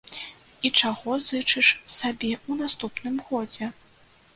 І чаго зычыш сабе ў наступным годзе?